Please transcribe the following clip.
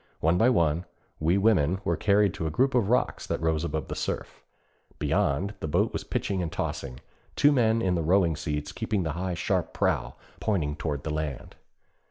One by one, we women were carried to a group of rocks that rose above the surf. Beyond, the boat was pitching and tossing, two men in the rowing seats keeping the high sharp prow pointing toward the land.